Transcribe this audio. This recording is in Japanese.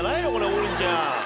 王林ちゃん。